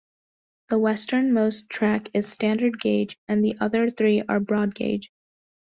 The westernmost track is standard gauge, and the other three are broad gauge.